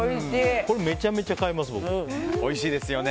これ、めちゃめちゃ買います、僕。